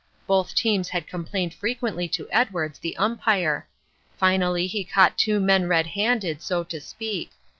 Both teams had complained frequently to Edwards, the Umpire. Finally he caught two men red handed, so to speak.